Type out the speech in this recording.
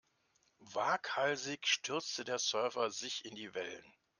Waghalsig stürzte der Surfer sich in die Wellen.